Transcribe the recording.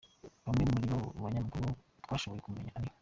Bamwe muri abo banyamakuru twashoboye kumenya ni: